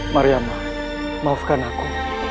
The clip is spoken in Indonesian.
mariamah maafkan aku